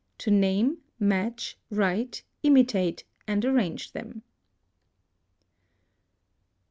To name, match, imitate, and arrange them.